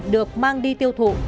được mang đi tiêu thụ